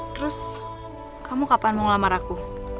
terus kamu kapan mau ngelamar aku